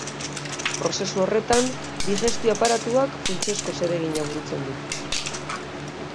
Prozesu horretan digestio aparatuak funtsezko zeregina burutzen du.